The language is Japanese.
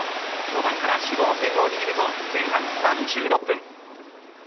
序盤から主導権を握ると前半３６分。